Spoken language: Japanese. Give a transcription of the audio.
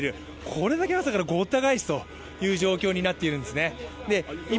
これだけ朝からごったがえすという状況になってるんですよね。